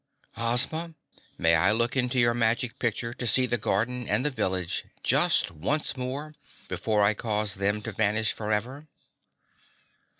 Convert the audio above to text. "Ozma, may I look into your Magic Picture to see the garden and the village just once more, before I cause them to vanish forever?"